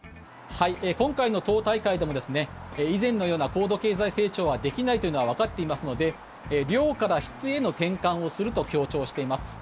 今回の党大会でも以前のような高度経済成長はできないというのはわかっていますので量から質への転換をすると強調しています。